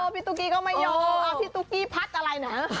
พี่ตุ๊กกี้ก็ไม่ยอมเขาว่าพี่ตุ๊กกี้ภัทรอะไรนะ